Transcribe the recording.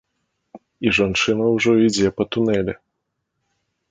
І жанчына ўжо ідзе па тунэлі.